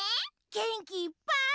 げんきいっぱい。